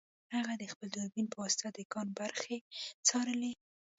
هغه د خپل دوربین په واسطه د کان برخې څارلې